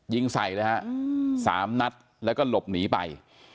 ยิงใส่เลยฮะสามนัดแล้วก็หลบหนีไป